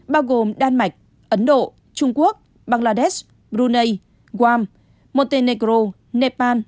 bao gồm đan mạch ấn độ trung quốc bangladesh brunei guam montenegro nepal